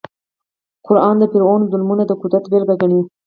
قران د فرعون ظلمونه د قدرت بېلګه ګڼي.